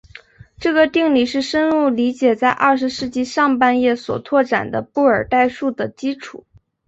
这个定理是深入理解在二十世纪上半叶所拓展的布尔代数的基础。